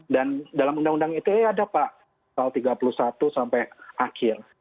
dan dalam undang undang ete ada pak soal tiga puluh satu sampai akhir